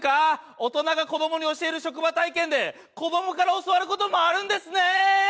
大人が子供に教える職場体験で子供から教わることもあるんですね。